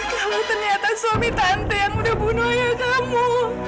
kalau ternyata suami tante yang udah bunuh ya kamu